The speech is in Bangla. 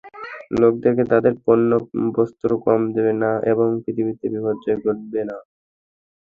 লোকদেরকে তাদের প্রাপ্য বস্তু কম দেবে না এবং পৃথিবীতে বিপর্যয় ঘটাবে না।